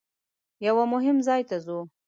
یوه مهم ځای ته ځو.